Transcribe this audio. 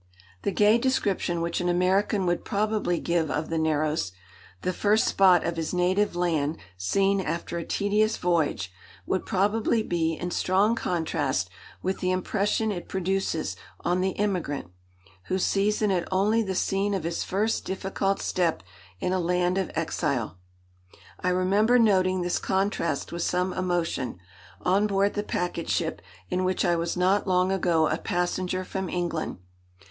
The gay description which an American would probably give of the Narrows,—the first spot of his native land seen after a tedious voyage,—would probably be in strong contrast with the impression it produces on the emigrant, who sees in it only the scene of his first difficult step in a land of exile. I remember noting this contrast with some emotion, on board the packet ship in which I was not long ago a passenger from England.